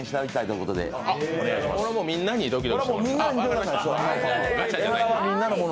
これはもう、みんなにドキドキしてもらうと。